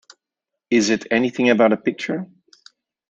Is it anything about a picture?